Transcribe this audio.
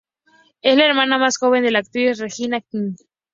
Es la hermana más joven de la actriz Regina King.